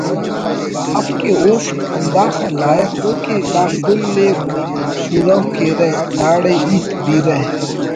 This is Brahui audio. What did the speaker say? اف کہ اوفک ہنداخہ لائخ ءُ کہ دا کل ءِ پورو کیرہ داڑے ہیت بیرہ